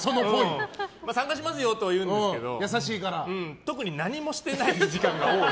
参加しますよとは言うんですけど特に何もしてない時間が多い。